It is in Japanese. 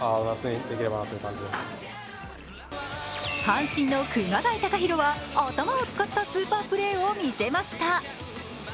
阪神の熊谷敬宥は頭を使ったスーパープレーを見せました。